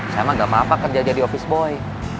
saya mah gak mafa mafa kerja kerja di office boy